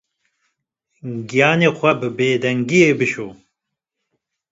Giyanê xwe bi bêdengiyê bişo.